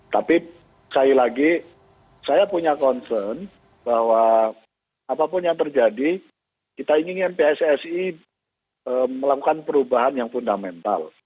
tapi sekali lagi saya punya concern bahwa apapun yang terjadi kita ingin pssi melakukan perubahan yang fundamental